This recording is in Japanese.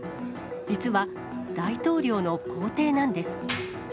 実は、大統領の公邸なんです。